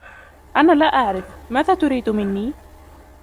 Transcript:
أنا لا أعرف ماذا تريد مني ؟